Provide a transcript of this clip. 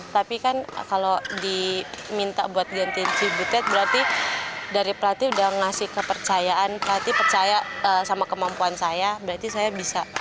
tapi kan kalau diminta buat gantiin cibutet berarti dari pelatih udah ngasih kepercayaan pelatih percaya sama kemampuan saya berarti saya bisa